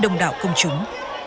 đông đảo công chúng